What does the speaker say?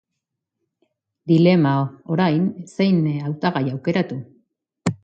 Dilema, orain, zein hautagai aukeratu?